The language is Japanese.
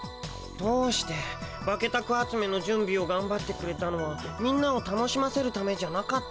どうしてバケタク集めのじゅんびをがんばってくれたのはみんなを楽しませるためじゃなかったの？